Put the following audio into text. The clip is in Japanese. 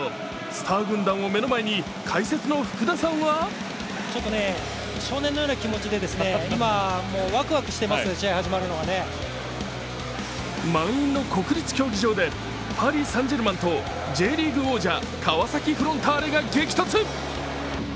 スター軍団を目の前に解説の福田さんは満員の国立競技場でパリ・サン＝ジェルマンとＪリーグ王者、川崎フロンターレが激突。